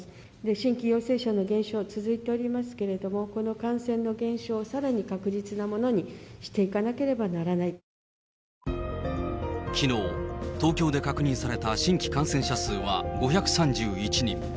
新規陽性者の減少、続いておりますけれども、この感染の減少をさらに確実なものにしていかなけれきのう、東京で確認された新規感染者数は５３１人。